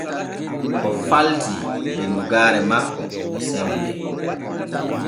O falti binnugaare makko e semmee.